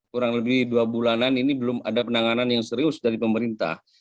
kurang lebih dua bulanan ini belum ada penanganan yang serius dari pemerintah